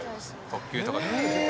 特急とか。